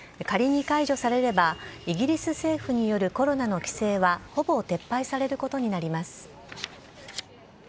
仮に解除されればイギリス政府によるコロナの規制はほぼ撤廃されることになります。